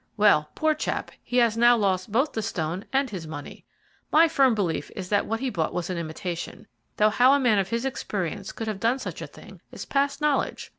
Well, poor chap, he has now lost both the stone and his money. My firm belief is that what he bought was an imitation, though how a man of his experience could have done such a thing is past knowledge.